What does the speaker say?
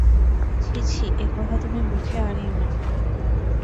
ছি ছি, এ কথা তুমি মুখে আনিয়ো না।